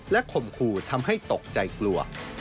และคมครูทำให้ตกใจกลัว